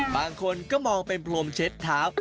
บางคนก็มองเป็นพรมเช็ดเท้า